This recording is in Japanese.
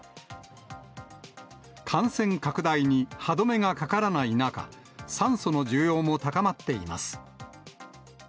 感染拡大に歯止めがかからない中、酸素の需要も高まっています。